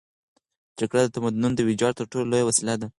جګړه د تمدنونو د ویجاړۍ تر ټولو لویه وسیله ده.